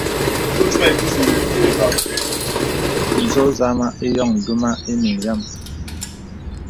Zō zàmā ìyōŋ duma īŋìŋ yàm.